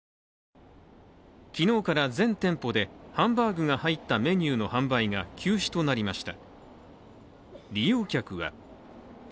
昨日から全店舗でハンバーグが入ったメニューの販売が休止となりました。